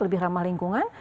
lebih ramah lingkungan